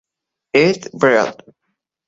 Eat... Breath...